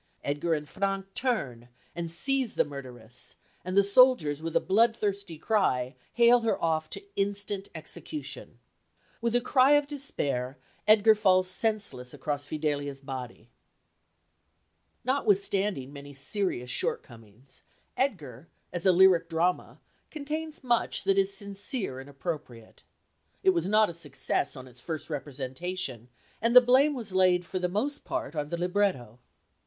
Edgar and Frank turn and seize the murderess, and the soldiers, with a bloodthirsty cry, hale her off to instant execution. With a cry of despair Edgar falls senseless across Fidelia's body. [Illustration: PUCCINI IN HIS MILAN HOUSE Specially photographed by Adolfo Ermini, Milan] Notwithstanding many serious shortcomings, Edgar, as a lyric drama, contains much that is sincere and appropriate. It was not a success on its first representation, and the blame was laid for the most part on the libretto.